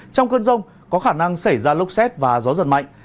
trong cơn rông có khả năng xảy ra lốc xét và gió giật mạnh